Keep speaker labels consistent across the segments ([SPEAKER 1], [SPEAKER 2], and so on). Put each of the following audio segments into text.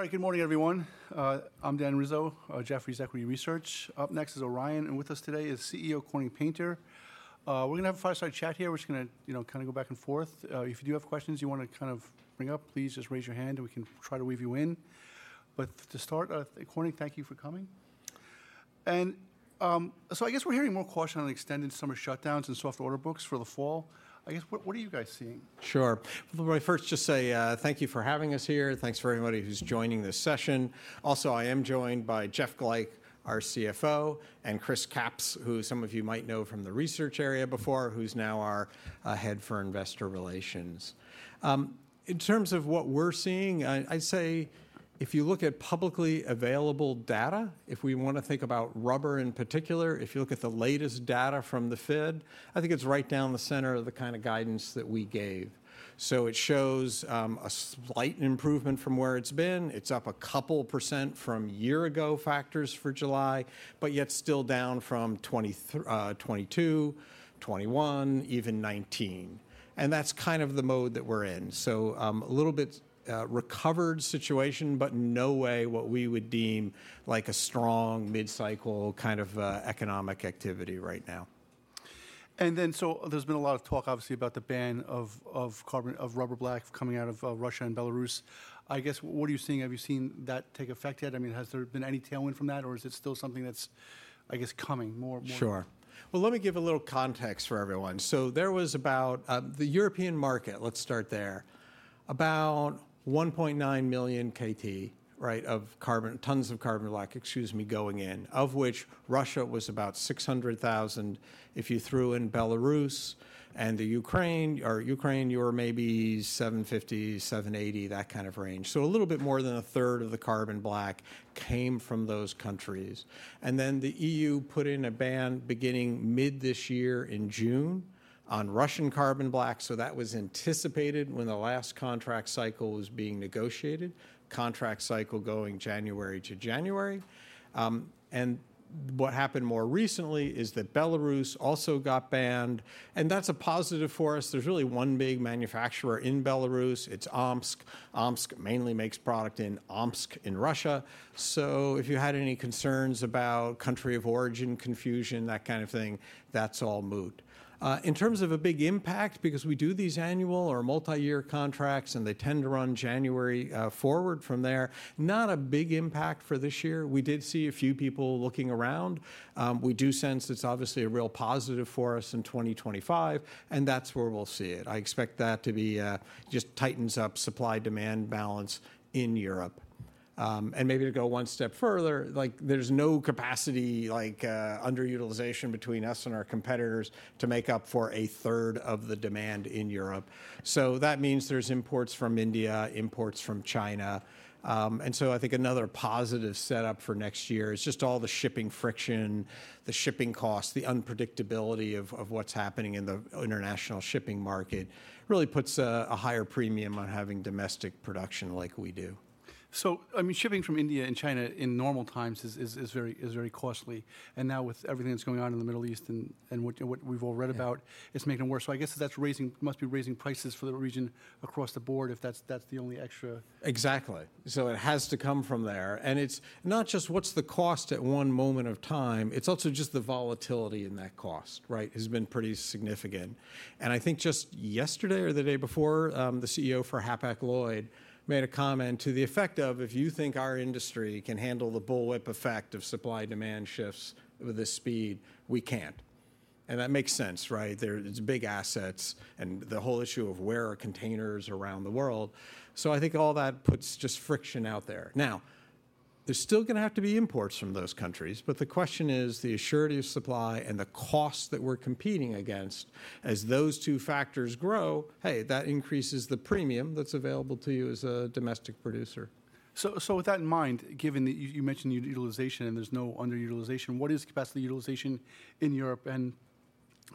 [SPEAKER 1] All right, good morning, everyone. I'm Dan Rizzo, Jefferies Equity Research. Up next is Orion, and with us today is CEO Corning Painter. We're gonna have a fireside chat here. We're just going to, kind of go back and forth. If you do have questions you wanna kind of bring up, please just raise your hand, and we can try to weave you in. But to start, Corning, thank you for coming. And, so I guess we're hearing more caution on extended summer shutdowns and soft order books for the fall. I guess, what are you guys seeing?
[SPEAKER 2] Sure, well, let me first just say thank you for having us here, and thanks for everybody who's joining this session. Also, I am joined by Jeff Glajch, our CFO, and Chris Capps, who some of you might know from the research area before, who's now our head for Investor Relations. In terms of what we're seeing, I'd say if you look at publicly available data, if we want to think about rubber in particular, if you look at the latest data from the Fed, I think it's right down the center of the kind of guidance that we gave, so it shows a slight improvement from where it's been. It's up a couple percentage from year-ago factors for July, but yet still down from 2023, 2022, 2021, even 2019, and that's kind of the mode that we're in, so, a little bit, recovered situation, but no way what we would deem, like, a strong mid-cycle kind of, economic activity right now.
[SPEAKER 1] There's been a lot of talk, obviously, about the ban of carbon black, rubber black coming out of Russia and Belarus. I guess, what are you seeing? Have you seen that take effect yet? I mean, has there been any tailwind from that, or is it still something that's, I guess, coming more, more-
[SPEAKER 2] Sure. Well, let me give a little context for everyone. So there was about the European market, let's start there, about 1.9 million kt, right, of tons of carbon black, excuse me, going in, of which Russia was about 600,000. If you threw in Belarus and Ukraine, you're maybe 750-780, that kind of range. So a little bit more than a third of the carbon black came from those countries. And then, the EU put in a ban beginning mid this year in June on Russian carbon black, so that was anticipated when the last contract cycle was being negotiated, contract cycle going January-to-January. And what happened more recently is that Belarus also got banned, and that's a positive for us. There's really one big manufacturer in Belarus. It's Omsk. Omsk mainly makes product in Omsk in Russia. So if you had any concerns about country of origin confusion, that kind of thing, that's all moot. In terms of a big impact, because we do these annual or multi-year contracts, and they tend to run January forward from there, not a big impact for this year. We did see a few people looking around. We do sense it's obviously a real positive for us in 2025, and that's where we'll see it. I expect that to be just tightens up supply-demand balance in Europe. And maybe to go one step further, like, there's no capacity, like, underutilization between us and our competitors to make up for a third of the demand in Europe. So that means there's imports from India, imports from China, and so I think another positive setup for next year is just all the shipping friction, the shipping costs, the unpredictability of what's happening in the international shipping market really puts a higher premium on having domestic production like we do.
[SPEAKER 1] So, I mean, shipping from India and China in normal times is very costly, and now with everything that's going on in the Middle East and what we've all read about-
[SPEAKER 2] Yeah
[SPEAKER 1] It's making it worse. So I guess that's raising, must be raising prices for the region across the board if that's, that's the only extra.
[SPEAKER 2] Exactly. So it has to come from there, and it's not just what's the cost at one moment of time, it's also just the volatility in that cost, right, has been pretty significant. And I think just yesterday or the day before, the CEO for Hapag-Lloyd made a comment to the effect of, "If you think our industry can handle the bullwhip effect of supply-demand shifts with this speed, we can't." And that makes sense, right? There-- it's big assets, and the whole issue of where are containers around the world, so I think all that puts just friction out there. Now, there's still going to have to be imports from those countries, but the question is the surety of supply and the cost that we're competing against. As those two factors grow, hey, that increases the premium that's available to you as a domestic producer.
[SPEAKER 1] With that in mind, given that you mentioned utilization, and there's no underutilization, what is capacity utilization in Europe, and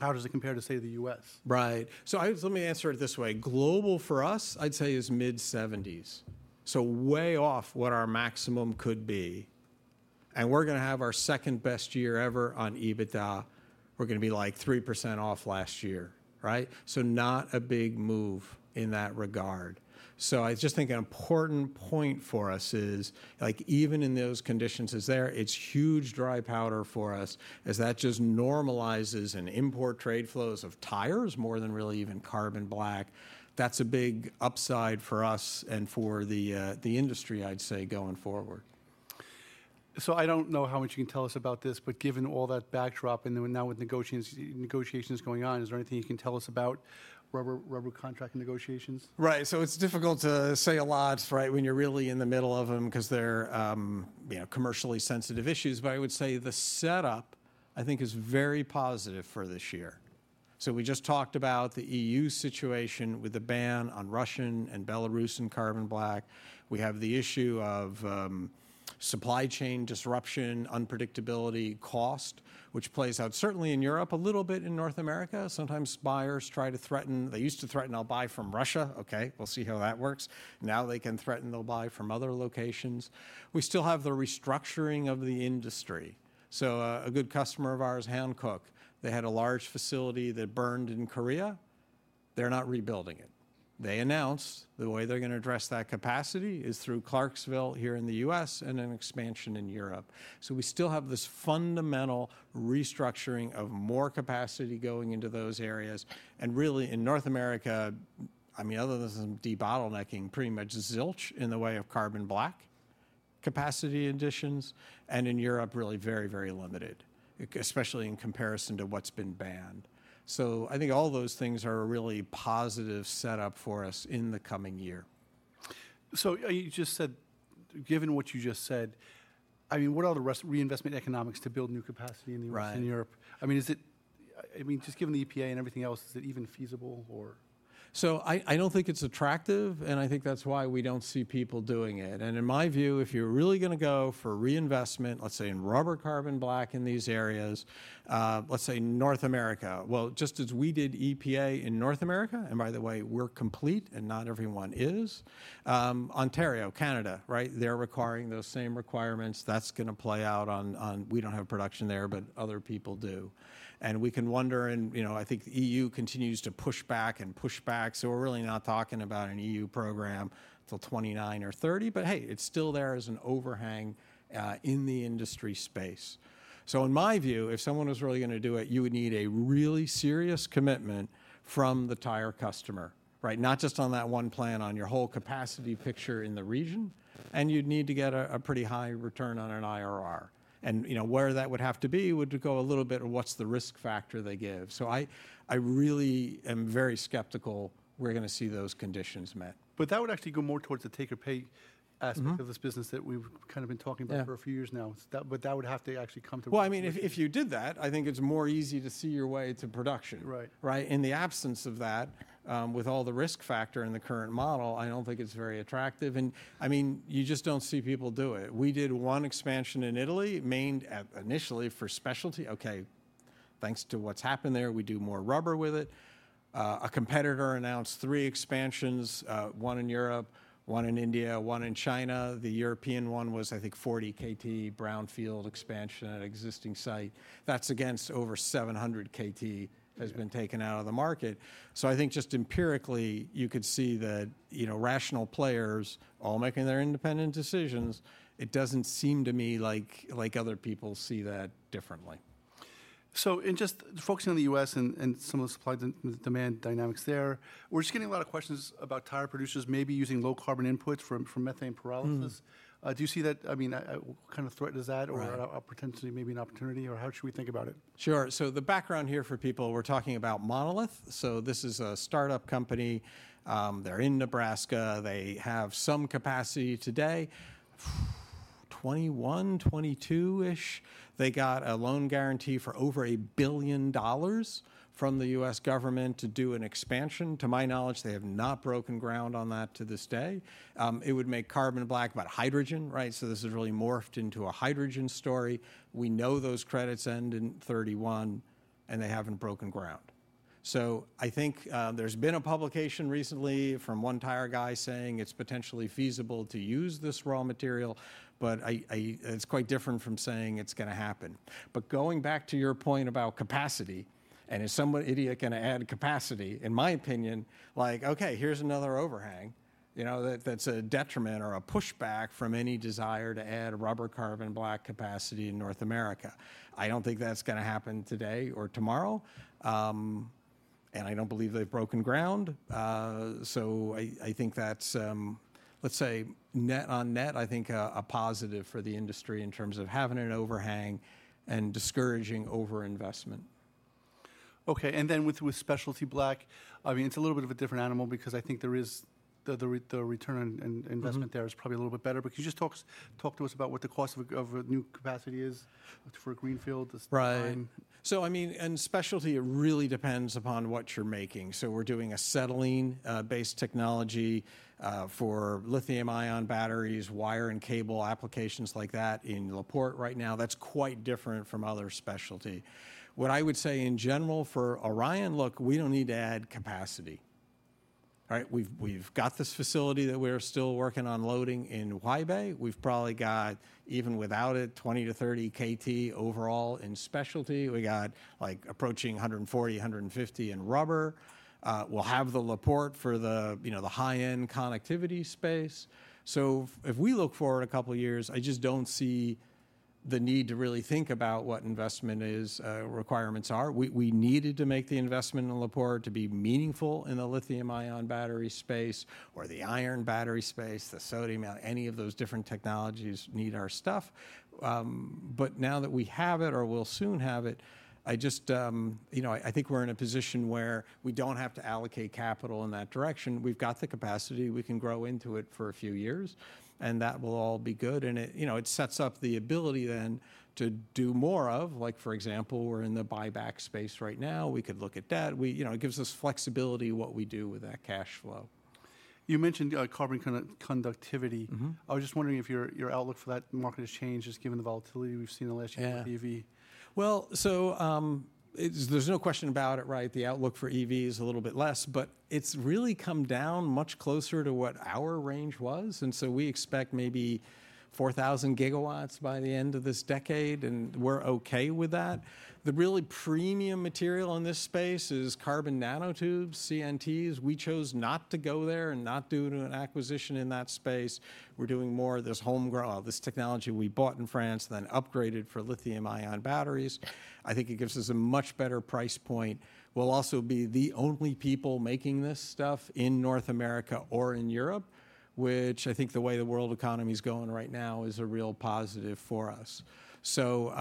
[SPEAKER 1] how does it compare to, say, the U.S.?
[SPEAKER 2] Right. So let me answer it this way: Global, for us, I'd say, is mid-seventies, so way off what our maximum could be, and we're going to have our second-best year ever on EBITDA. We're gonna be, like, 3% off last year, right? So not a big move in that regard. So I just think an important point for us is, like, even in those conditions is there, it's huge dry powder for us, as that just normalizes an import trade flows of tires more than really even carbon black. That's a big upside for us and for the industry, I'd say, going forward. So I don't know how much you can tell us about this, but given all that backdrop and the ongoing negotiations going on, is there anything you can tell us about rubber contract negotiations?
[SPEAKER 3] Right. So it's difficult to say a lot, right, when you're really in the middle of them because they're, commercially sensitive issues, but I would say the setup, I think, is very positive for this year. So we just talked about the EU situation with the ban on Russian and Belarusian carbon black. We have the issue of, supply chain disruption, unpredictability, cost, which plays out certainly in Europe, a little bit in North America. Sometimes buyers try to threaten... They used to threaten, "I'll buy from Russia." Okay, we'll see how that works. Now they can threaten they'll buy from other locations. We still have the restructuring of the industry, so, a good customer of ours, Hankook, they had a large facility that burned in Korea. they're not rebuilding it. They announced the way they're gonna address that capacity is through Clarksville here in the U.S. and an expansion in Europe. So we still have this fundamental restructuring of more capacity going into those areas, and really, in North America, I mean, other than some de-bottlenecking, pretty much zilch in the way of carbon black capacity additions, and in Europe, really very, very limited, especially in comparison to what's been banned. So I think all those things are a really positive setup for us in the coming year.
[SPEAKER 1] Given what you just said, I mean, what are the reinvestment economics to build new capacity in the U.S.? And Europe? I mean, is it, I mean, just given the EPA and everything else, is it even feasible or?
[SPEAKER 2] I don't think it's attractive, and I think that's why we don't see people doing it. In my view, if you're really gonna go for reinvestment, let's say, in rubber carbon black in these areas, let's say North America. Well, just as we did EPA in North America, and by the way, we're complete, and not everyone is, Ontario, Canada, right? They're requiring those same requirements. That's going to play out on. We don't have production there, but other people do. And we can wonder, and, you know, I think the EU continues to push back and push back, so we're really not talking about an EU program till 2029 or 2030. But hey, it's still there as an overhang, in the industry space. In my view, if someone was really gonna do it, you would need a really serious commitment from the tire customer, right? Not just on that one plant, on your whole capacity picture in the region, and you'd need to get a pretty high return on an IRR. And, where that would have to be would go a little bit on what's the risk factor they give. I really am very skeptical we're going to see those conditions met.
[SPEAKER 1] But that would actually go more towards the take-or-pay aspect of this business that we've kind of been talking about for a few years now. But that would have to actually come to--
[SPEAKER 2] I mean, if you did that, I think it's more easy to see your way to production.
[SPEAKER 1] Right.
[SPEAKER 2] Right? In the absence of that, with all the risk factor in the current model, I don't think it's very attractive, and, I mean, you just don't see people do it. We did one expansion in Italy, mainly at initially for specialty. Okay, thanks to what's happened there, we do more rubber with it. A competitor announced three expansions, one in Europe, one in India, one in China. The European one was, I think, 40 kt brownfield expansion at an existing site. That's against over 700 kt-
[SPEAKER 1] Yeah
[SPEAKER 2] Has been taken out of the market. So I think just empirically, you could see that, you know, rational players all making their independent decisions. It doesn't seem to me like other people see that differently.
[SPEAKER 1] In just focusing on the U.S. and some of the supply and the demand dynamics there, we're just getting a lot of questions about tire producers maybe using low-carbon inputs from methane pyrolysis. Do you see that? I mean, what kind of threat is that? Or opportunity, maybe an opportunity, or how should we think about it?
[SPEAKER 2] Sure. So the background here for people, we're talking about Monolith. So this is a start-up company. They're in Nebraska. They have some capacity today, 21, 22-ish. They got a loan guarantee for over $1 billion from the U.S. government to do an expansion. To my knowledge, they have not broken ground on that to this day. It would make carbon black, but hydrogen, right? So this has really morphed into a hydrogen story. We know those credits end in 2031, and they haven't broken ground. So I think, there's been a publication recently from one tire guy saying it's potentially feasible to use this raw material, but it's quite different from saying it's gonna happen. But going back to your point about capacity, and is some idiot going to add capacity? In my opinion, like, okay, here's another overhang, you know, that, that's a detriment or a pushback from any desire to add rubber carbon black capacity in North America. I don't think that's going to happen today or tomorrow, and I don't believe they've broken ground. So I think that's, let's say, net, on net, I think a positive for the industry in terms of having an overhang and discouraging overinvestment. Okay, and then with specialty black, I mean, it's a little bit of a different animal because I think there is the return on in investment there is probably a little bit better. But can you just talk to us about what the cost of a new capacity is for a greenfield this time?
[SPEAKER 1] Right. So, I mean, in specialty, it really depends upon what you're making. So we're doing acetylene-based technology for lithium-ion batteries, wire and cable applications like that in La Porte right now. That's quite different from other specialty. What I would say in general, for Orion, look, we don't need to add capacity. All right? We've, we've got this facility that we're still working on loading in Huaibei. We've probably got, even without it, 20 kt-30 kt overall in specialty. We got, like, approaching 140, 150 in rubber. We'll have the La Porte for the high-end connectivity space. So if we look forward a couple of years, I just don't see the need to really think about what investment is requirements are. We needed to make the investment in La Porte to be meaningful in the lithium-ion battery space or the iron battery space, the sodium ion, any of those different technologies need our stuff. But now that we have it or will soon have it, I just, I think we're in a position where we don't have to allocate capital in that direction. We've got the capacity. We can grow into it for a few years, and that will all be good, and it, it sets up the ability then to do more of, like, for example, we're in the buyback space right now. We could look at debt. We, you know, it gives us flexibility what we do with that cash flow. You mentioned carbon conductivity. I was just wondering if your outlook for that market has changed, just given the volatility we've seen in the last yeah with EV?
[SPEAKER 2] There's no question about it, right? The outlook for EV is a little bit less, but it's really come down much closer to what our range was, and so we expect maybe 4000 GWs by the end of this decade, and we're okay with that. The really premium material in this space is carbon nanotubes, CNTs. We chose not to go there and not do an acquisition in that space. We're doing more of this technology we bought in France, then upgraded for lithium-ion batteries. I think it gives us a much better price point. We'll also be the only people making this stuff in North America or in Europe, which I think the way the world economy is going right now, is a real positive for us. So,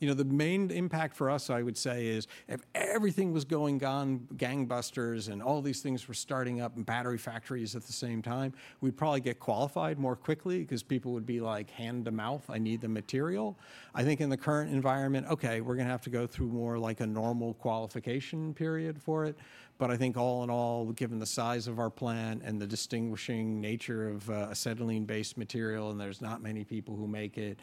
[SPEAKER 2] the main impact for us, I would say, is if everything was going gangbusters, and all these things were starting up, and battery factories at the same time, we'd probably get qualified more quickly 'cause people would be like, hand-to-mouth, "I need the material." I think in the current environment, okay, we're gonna have to go through more like a normal qualification period for it. But I think all in all, given the size of our plant and the distinguishing nature of acetylene-based material, and there's not many people who make it,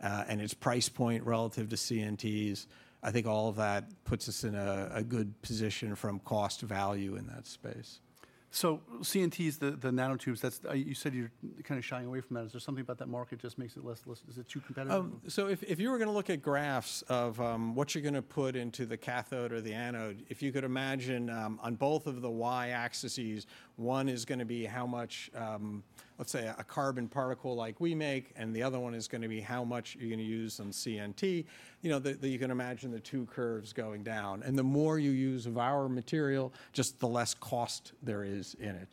[SPEAKER 2] and its price point relative to CNTs, I think all of that puts us in a good position from cost value in that space.
[SPEAKER 1] So CNTs, the nanotubes, that's-- You said you're kinda shying away from that. Is there something about that market just makes it less-- Is it too competitive?
[SPEAKER 2] So if you were gonna look at graphs of what you're going to put into the cathode or the anode, if you could imagine on both of the y-axis, one is going to be how much, let's say, a carbon particle like we make, and the other one is going to be how much you're going to use on CNT, you can imagine the two curves going down, and the more you use of our material, just the less cost there is in it.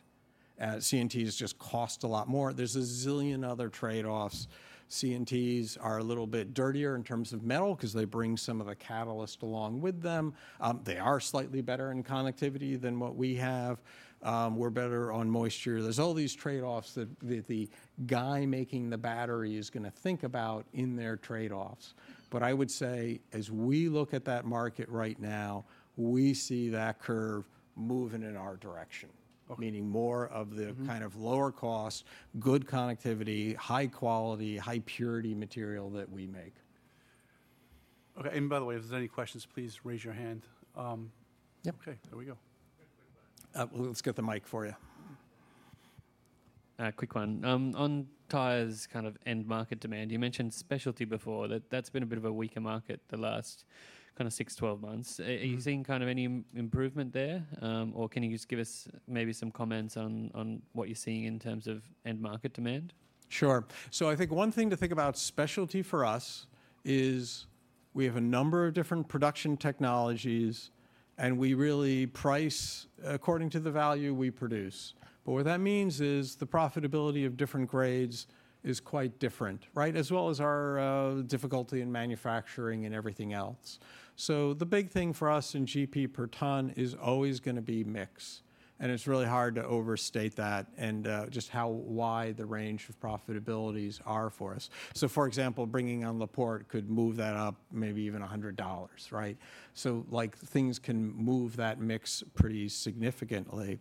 [SPEAKER 2] CNTs just cost a lot more. There's a zillion other trade-offs. CNTs are a little bit dirtier in terms of metal because they bring some of the catalyst along with them. They are slightly better in connectivity than what we have. We're better on moisture. There's all these trade-offs that the guy making the battery is go think about in their trade-offs. But I would say, as we look at that market right now, we see that curve moving in our direction meaning more of the kind of lower cost, good connectivity, high quality, high purity material that we make.
[SPEAKER 1] Okay, and by the way, if there's any questions, please raise your hand. Yeah.Okay, here we go.
[SPEAKER 4] Quick, quick one.
[SPEAKER 2] Let's get the mic for you.
[SPEAKER 4] Quick one. On tires, kind of end market demand, you mentioned specialty before. That's been a bit of a weaker market the last kind of six, 12 months. Are you seeing kind of any improvement there? Or can you just give us maybe some comments on what you're seeing in terms of end market demand?
[SPEAKER 2] Sure. So I think one thing to think about specialty for us is we have a number of different production technologies, and we really price according to the value we produce. But what that means is the profitability of different grades is quite different, right? As well as our difficulty in manufacturing and everything else. So the big thing for us in GP per ton is always going to be mix, and it's really hard to overstate that, and just how wide the range of profitabilities are for us. So for example, bringing on La Porte could move that up, maybe even $100, right? So, like, things can move that mix pretty significantly.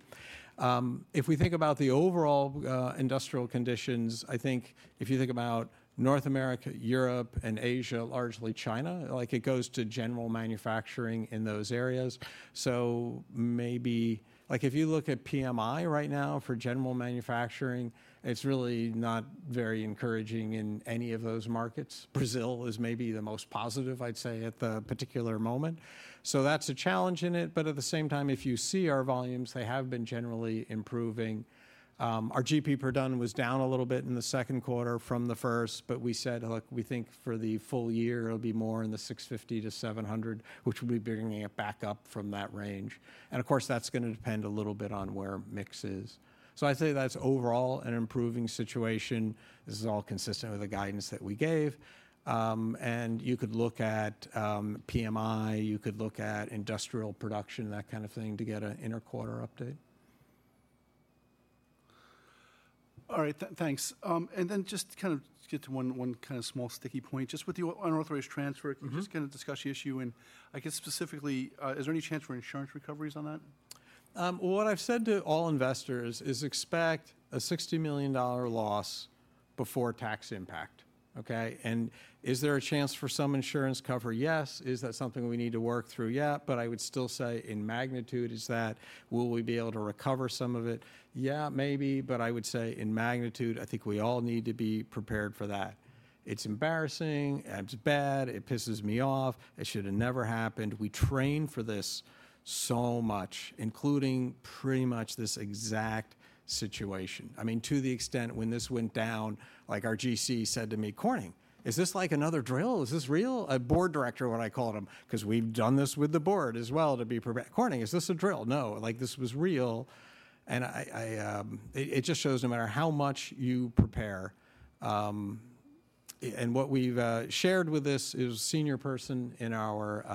[SPEAKER 2] If we think about the overall industrial conditions, I think if you think about North America, Europe, and Asia, largely China, like, it goes to general manufacturing in those areas. So, maybe like, if you look at PMI right now for general manufacturing, it's really not very encouraging in any of those markets. Brazil is maybe the most positive, I'd say, at the particular moment. That's a challenge in it, but at the same time, if you see our volumes, they have been generally improving. Our GP per ton was down a little bit in the second quarter from the first, but we said, "Look, we think for the full year, it'll be more in the $650-$700," which will be bringing it back up from that range. And of course, that's gonna depend a little bit on where mix is. I'd say that's overall an improving situation. This is all consistent with the guidance that we gave. And you could look at PMI, you could look at industrial production, that kind of thing, to get an interquarter update.
[SPEAKER 1] All right, thanks. And then just to kind of get to one kind of small sticky point, just with the unauthorized transfer can you just kind of discuss the issue in, I guess, specifically, is there any chance for insurance recoveries on that?
[SPEAKER 2] What I've said to all investors is expect a $60 million loss before tax impact, okay? And is there a chance for some insurance cover? Yes. Is that something we need to work through? Yeah. But I would still say in magnitude, is that will we be able to recover some of it? Yeah, maybe. But I would still say in magnitude, I think we all need to be prepared for that. It's embarrassing, and it's bad. It pisses me off. It should have never happened. We trained for this so much, including pretty much this exact situation. I mean, to the extent when this went down, like our GC said to me, "Corning, is this like another drill? Is this real?" A board director when I called him, 'cause we've done this with the board as well to be prepared: "Corning, is this a drill?" "No," like, this was real, and it just shows no matter how much you prepare. And what we've shared with this is senior person in our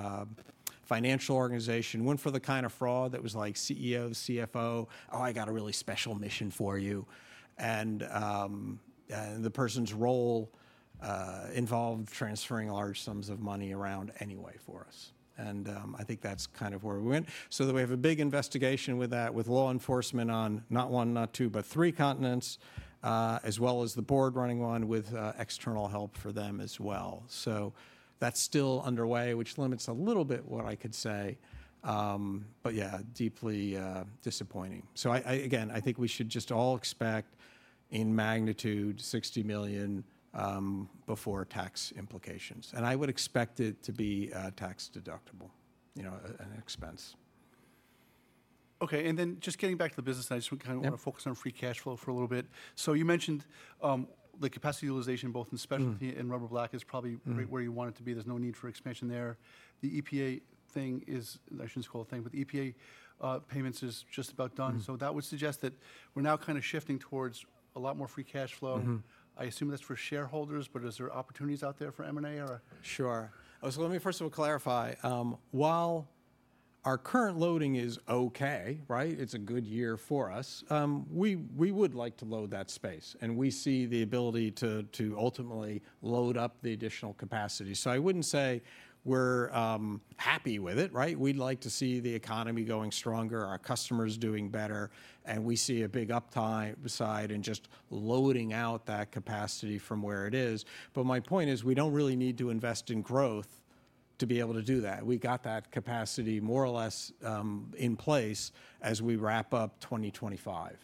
[SPEAKER 2] financial organization, went for the kind of fraud that was like CEO, CFO. "Oh, I got a really special mission for you." And the person's role involved transferring large sums of money around anyway for us. And I think that's kind of where we went. So then we have a big investigation with that, with law enforcement on not one, not two, but three continents, as well as the board running one with external help for them as well. So that's still underway, which limits a little bit what I could say. But yeah, deeply disappointing. So again, I think we should just all expect, in magnitude, $60 million before tax implications, and I would expect it to be tax deductible, you know, an expense.
[SPEAKER 1] Okay, and then just getting back to the business side, I just kind of want to focus on free cash flow for a little bit. So you mentioned, the capacity utilization, both in specialty and rubber black is probably right where you want it to be. There's no need for expansion there. The EPA thing is, I shouldn't call it a thing, but the EPA, payments is just about done. So that would suggest that we're now kind of shifting towards a lot more free cash flow. I assume that's for shareholders, but is there opportunities out there for M&A or?
[SPEAKER 2] Sure. So let me first of all clarify, while our current loading is okay, right? It's a good year for us. We would like to load that space, and we see the ability to ultimately load up the additional capacity. So I wouldn't say we're happy with it, right? We'd like to see the economy going stronger, our customers doing better, and we see a big upside in just loading out that capacity from where it is. But my point is, we don't really need to invest in growth to be able to do that. We got that capacity more or less in place as we wrap up 2025.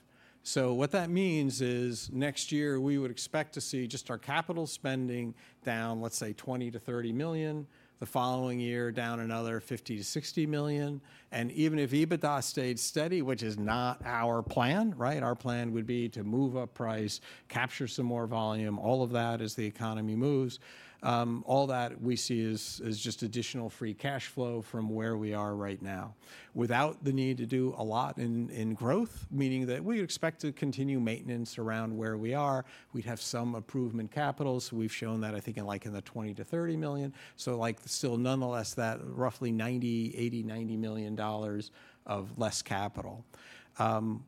[SPEAKER 2] So what that means is, next year we would expect to see just our capital spending down, let's say, $20 million-$30 million, the following year, down another $50 million-$60 million. And even if EBITDA stayed steady, which is not our plan, right? Our plan would be to move up price, capture some more volume, all of that as the economy moves. All that we see is just additional free cash flow from where we are right now, without the need to do a lot in growth, meaning that we expect to continue maintenance around where we are. We'd have some improvement capital, so we've shown that, I think, in like $20million-$30 million. So like still nonetheless, that roughly $80 million-$90 million dollars of less capital.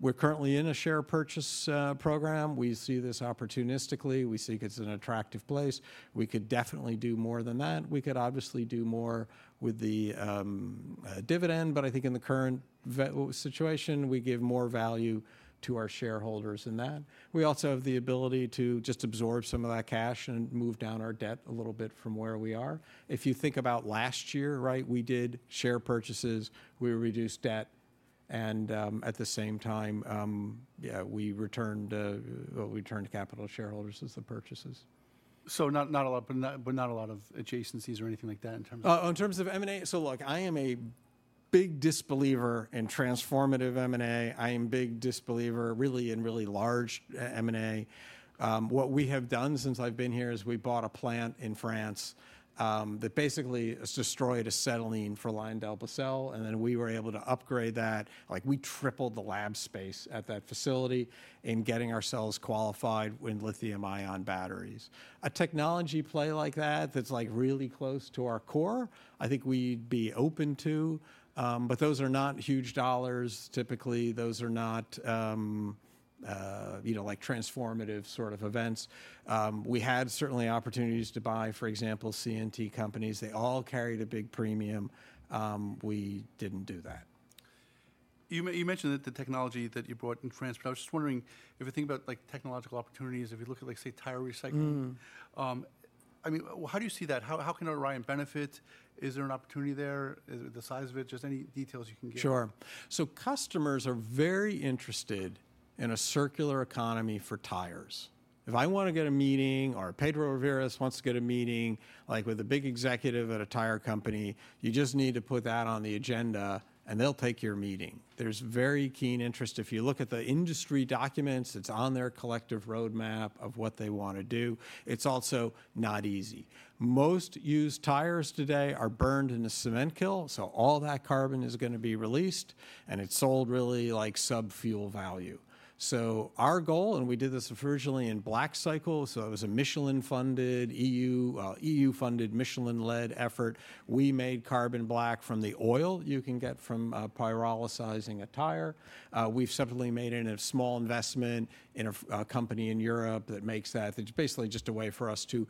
[SPEAKER 2] We're currently in a share purchase program. We see this opportunistically. We think it's an attractive place. We could definitely do more than that. We could obviously do more with the dividend, but I think in the current situation, we give more value to our shareholders in that. We also have the ability to just absorb some of that cash and move down our debt a little bit from where we are. If you think about last year, right, we did share purchases, we reduced debt, and at the same time, yeah, well, we returned capital to shareholders as the purchases.
[SPEAKER 1] So not a lot of adjacencies or anything like that in terms of-
[SPEAKER 2] In terms of M&A? So look, I am a big disbeliever in transformative M&A. I am big disbeliever, really, in really large M&A. What we have done since I've been here is we bought a plant in France, that basically has destroyed acetylene for LyondellBasell, and then we were able to upgrade that. Like, we tripled the lab space at that facility in getting ourselves qualified in lithium-ion batteries. A technology play like that, that's like really close to our core, I think we'd be open to, but those are not huge dollars. Typically, those are not, you know, like transformative sort of events. We had certainly opportunities to buy, for example, CNT companies. They all carried a big premium, we didn't do that.
[SPEAKER 1] You mentioned that the technology that you bought in France, but I was just wondering if you think about, like, technological opportunities, if you look at, like, say, tire recycling.I mean, how do you see that? How can Orion benefit? Is there an opportunity there? The size of it, just any details you can give?
[SPEAKER 2] Sure. So customers are very interested in a circular economy for tires. If I want to get a meeting or Pedro Riveros wants to get a meeting, like with a big executive at a tire company, you just need to put that on the agenda, and they'll take your meeting. There's very keen interest. If you look at the industry documents, it's on their collective roadmap of what they want to do. It's also not easy. Most used tires today are burned in a cement kiln, so all that carbon is going to be released, and it's sold really like sub-fuel value. So our goal, and we did this originally in BlackCycle, so it was a Michelin-funded EU, EU-funded, Michelin-led effort. We made carbon black from the oil you can get from, pyrolyzing a tire. We've separately made in a small investment in a company in Europe that makes that. It's basically just a way for us to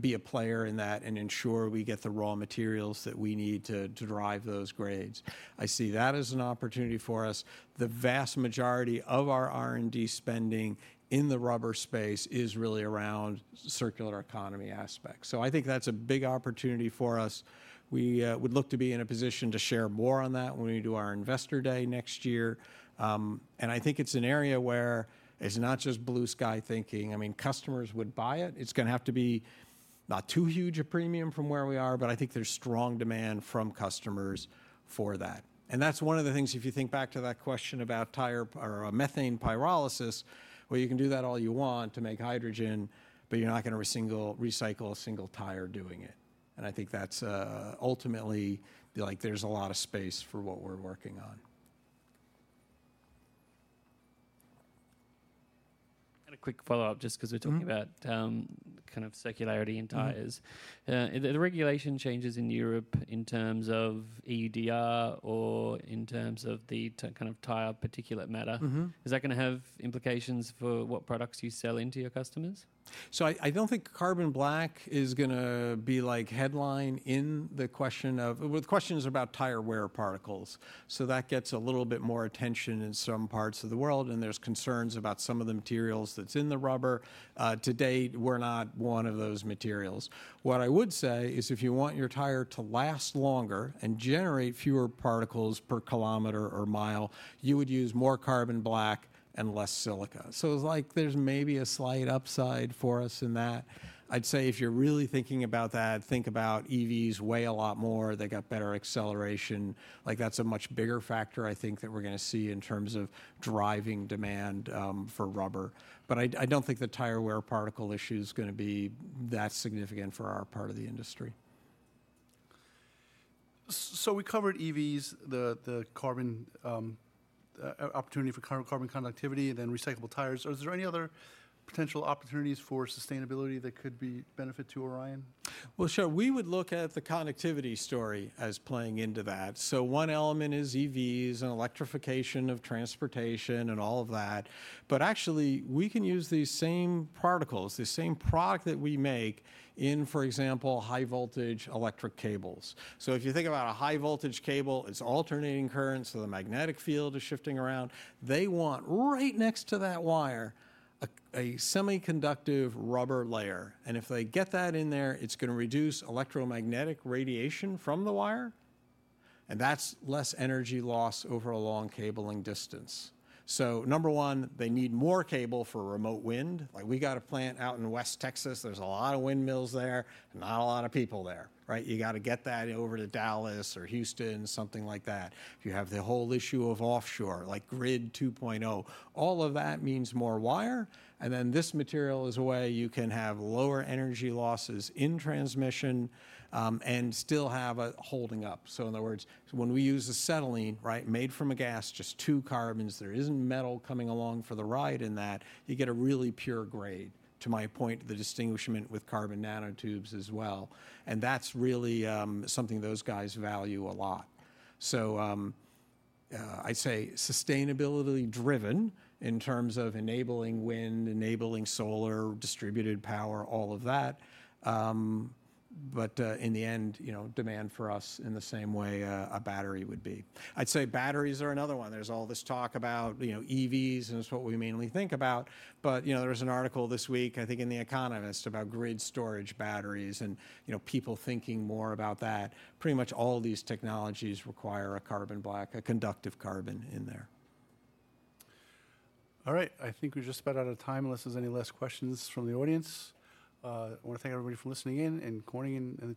[SPEAKER 2] be a player in that and ensure we get the raw materials that we need to drive those grades. I see that as an opportunity for us. The vast majority of our R&D spending in the rubber space is really around circular economy aspects. So I think that's a big opportunity for us. We would look to be in a position to share more on that when we do our investor day next year, and I think it's an area where it's not just blue-sky thinking. I mean, customers would buy it. It's going to have to be not too huge a premium from where we are, but I think there's strong demand from customers for that. That's one of the things, if you think back to that question about tire or methane pyrolysis, where you can do that all you want to make hydrogen, but you're not gonna recycle a single tire doing it. I think that's ultimately like there's a lot of space for what we're working on.
[SPEAKER 1] And a quick follow-up, just because we're talking about, kind of circularity in tires. The regulation changes in Europe in terms of EUDR or in terms of the kind of tire particulate matter is that gonna have implications for what products you sell into your customers?
[SPEAKER 2] So I don't think carbon black is going ti be like headline in the question of-- well, the question is about tire wear particles, so that gets a little bit more attention in some parts of the world, and there's concerns about some of the materials that's in the rubber. To date, we're not one of those materials. What I would say is, if you want your tire to last longer and generate fewer particles per kilometer or mile, you would use more carbon black and less silica. So it's like there's maybe a slight upside for us in that. I'd say if you're really thinking about that, think about EVs weigh a lot more, they got better acceleration. Like, that's a much bigger factor, I think, that we're going to see in terms of driving demand, for rubber. But I don't think the tire wear particle issue is gonna be that significant for our part of the industry.
[SPEAKER 1] So we covered EVs, the carbon opportunity for carbon conductivity and then recyclable tires. Are there any other potential opportunities for sustainability that could be benefit to Orion?
[SPEAKER 2] Sure. We would look at the conductivity story as playing into that. One element is EVs and electrification of transportation, and all of that, but actually, we can use these same particles, the same product that we make in, for example, high voltage electric cables. If you think about a high-voltage cable, it's alternating current, so the magnetic field is shifting around. They want right next to that wire, a semiconductive rubber layer, and if they get that in there, it's going to reduce electromagnetic radiation from the wire, and that's less energy loss over a long cabling distance. Number one, they need more cable for remote wind. Like, we got a plant out in West Texas, there's a lot of windmills there, not a lot of people there, right? You got to get that over to Dallas or Houston, something like that. You have the whole issue of offshore, like Grid 2.0. All of that means more wire, and then this material is a way you can have lower energy losses in transmission, and still have it holding up. So in other words, when we use acetylene, right, made from a gas, just two carbons, there isn't metal coming along for the ride in that, you get a really pure grade, to my point, the distinguishment with carbon nanotubes as well, and that's really, something those guys value a lot. So, I'd say sustainability driven in terms of enabling wind, enabling solar, distributed power, all of that, but, in the end, demand for us in the same way a, a battery would be. I'd say batteries are another one. There's all this talk about, you know, EVs, and it's what we mainly think about. But, you know, there was an article this week, I think, in The Economist, about grid storage batteries and, people thinking more about that. Pretty much all these technologies require a carbon black, a conductive carbon in there.
[SPEAKER 1] All right, I think we're just ab out out of time, unless there's any last questions from the audience. I wanna thank everybody for listening in, and Corning and the team-